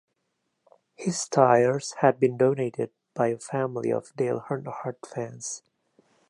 His tires had been donated by a family of Dale Earnhardt fans.